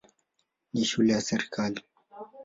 Ni shule ya serikali.